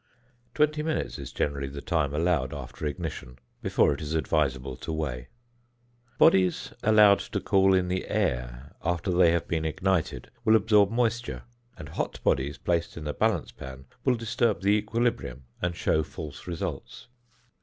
Twenty minutes is generally the time allowed after ignition before it is advisable to weigh. Bodies allowed to cool in the air after they have been ignited will absorb moisture, and hot bodies placed in the balance pan will disturb the equilibrium and show false results.